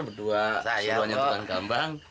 berdua seluarnya tukang gambang